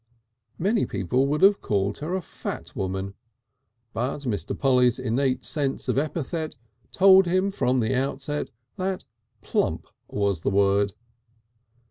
Many people would have called her a fat woman, but Mr. Polly's innate sense of epithet told him from the outset that plump was the word.